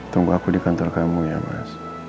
tunggu aku di kantor kamu ya mas